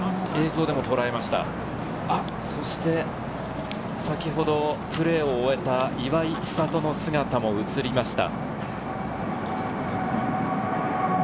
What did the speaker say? そして、先ほどプレーを終えた岩井千怜の姿も映りました。